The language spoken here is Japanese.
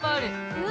うわ！